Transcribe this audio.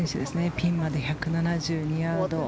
ピンまで１７２ヤード。